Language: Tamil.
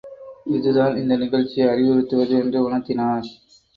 இதுதான் இந்த நிகழ்ச்சி அறிவுறுத்துவது என்று உணர்த்தினார்.